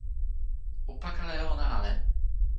o pakala e ona ale!